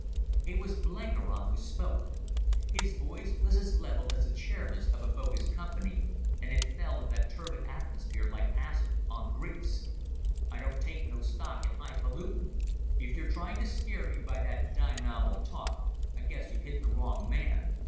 It was Blenkiron who spoke. His voice was as level as the chairman's of a bogus company, and it fell on that turbid atmosphere like acid on grease. "I don't take no stock in high falutin'. If you're trying to scare me by that dime novel talk I guess you've hit the wrong man.